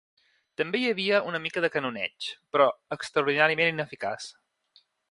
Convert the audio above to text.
També hi havia una mica de canoneig, però extraordinàriament ineficaç